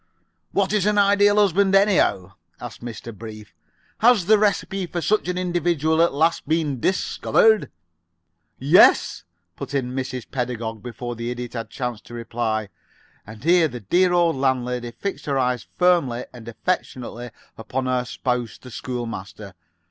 "What is an Ideal Husband, anyhow?" asked Mr. Brief. "Has the recipe for such an individual at last been discovered?" "Yes," put in Mrs. Pedagog, before the Idiot had a chance to reply, and here the dear old landlady fixed her eyes firmly and affectionately upon her spouse, the school master.